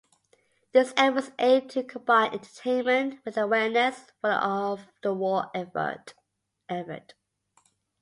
These efforts aimed to combine entertainment with awareness of the war effort.